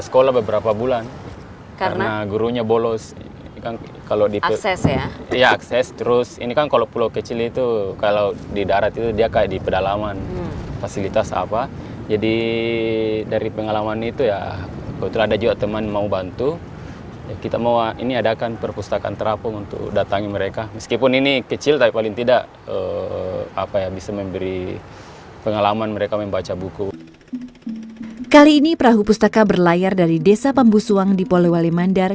kali ini perahu pustaka berlayar dari desa pambu suang di polewali mandar